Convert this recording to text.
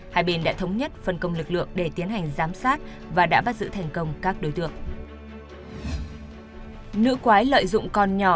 hai bên đã thống nhất phân công lực lượng để tiến hành giám sát và đã bắt giữ thành công các đối tượng